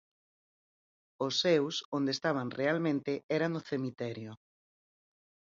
Os seus, onde estaban realmente, era no cemiterio.